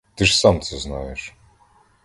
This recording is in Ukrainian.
Ти ж сам це знаєш.